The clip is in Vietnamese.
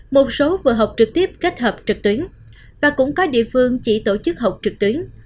một số vừa học trực tiếp kết hợp trực tuyến và cũng có địa phương chỉ tổ chức học trực tuyến